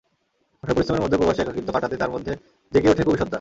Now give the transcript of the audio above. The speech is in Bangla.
কঠোর পরিশ্রমের মধ্যেও প্রবাসে একাকিত্ব কাটাতে তাঁর মধ্যে জেগে ওঠে কবি সত্তা।